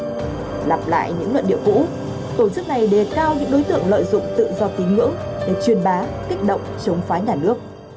để chuyên bá kích động chống phái nhà nước